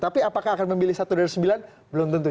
tapi apakah akan memilih satu dari sembilan belum tentu